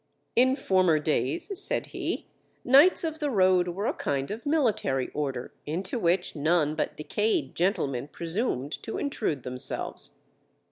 In former days, said he, knights of the road were a kind of military order into which none but decayed gentlemen presumed to intrude themselves.